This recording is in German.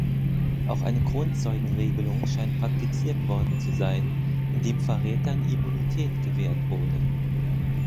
Auch eine Kronzeugenregelung scheint praktiziert worden zu sein, indem Verrätern Immunität gewährt wurde.